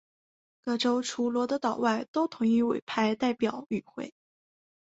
各州除罗德岛外都同意委派代表与会。